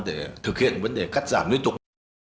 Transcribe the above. để thực hiện vấn đề cắt giảm nguyên tục